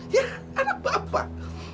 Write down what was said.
ya anak bapak